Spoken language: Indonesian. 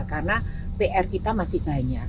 karena pr kita masih banyak